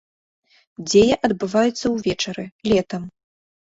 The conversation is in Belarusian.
Дзея адбываецца ўвечары, летам.